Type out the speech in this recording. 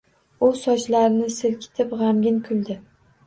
U sochlarini silkitib g‘amgin kuldi.